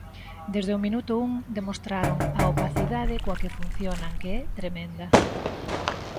Desde o minuto un demostraron a opacidade coa que funcionan, que é tremenda.